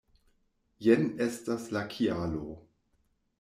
Jen estas la kialo.